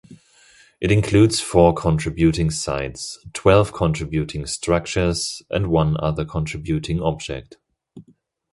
It includes four contributing sites, twelve contributing structures, and one other contributing object.